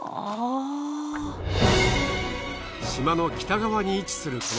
島の北側に位置する